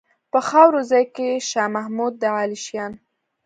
په خاورو ځای کا شاه محمود د عالیشان.